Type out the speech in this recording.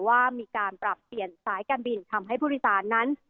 ว่ามีการปรับเปลี่ยนสายการบินทำให้ผู้โดยสารนั้น